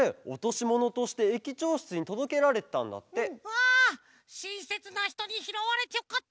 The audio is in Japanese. わあしんせつなひとにひろわれてよかった！